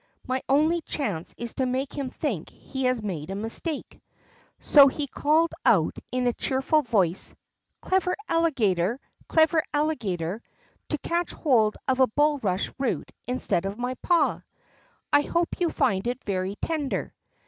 My only chance is to make him think he has made a mistake." So he called out in a cheerful voice: "Clever Alligator, clever Alligator, to catch hold of a bulrush root instead of my paw! I hope you find it very tender."